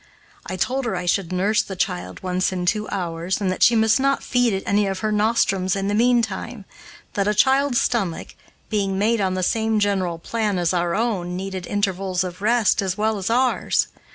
I told her I should nurse the child once in two hours, and that she must not feed it any of her nostrums in the meantime; that a child's stomach, being made on the same general plan as our own, needed intervals of rest as well as ours.